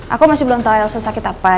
aku masih belum tahu elsa sakit apa